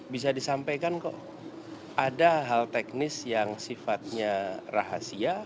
bisa disampaikan kok ada hal teknis yang sifatnya rahasia